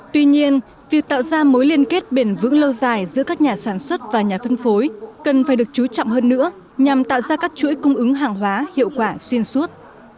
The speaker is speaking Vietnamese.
tuy nhiên việc tạo ra mối liên kết bền vững lâu dài giữa các nhà sản xuất và nhà phân phối cần phải được chú trọng hơn nữa nhằm tạo ra các chuỗi cung ứng hàng hóa hiệu quả xuyên suốt